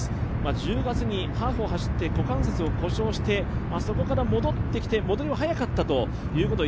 １０月にハーフを走って股関節を故障してそこから戻ってきて、戻りは早かったということは